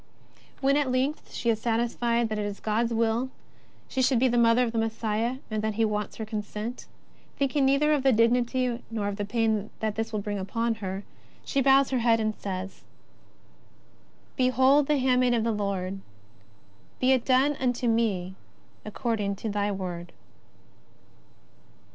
JESUS OF NAZARETH. 65 When at length she is satisfied that it is God's Will she should be the Mother of the Messiah, and that He wants her consent, thinking neither of the dignity nor of the pain this will bring upon her, she bows her head and says :" Behold the handmaid of the Lord, be it done unto me according to thy word."